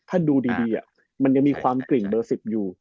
ถ้าดูดีมันยังมีความกลิ่งเบอร์๑๐อยู่